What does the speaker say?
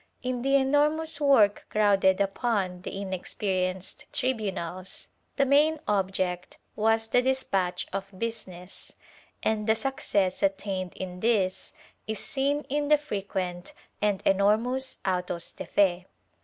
In the enormous work crowded upon the inexperienced tribunals, the main object was the despatch of business, and the success attained in this is seen in the frequent and enormous autos de fe.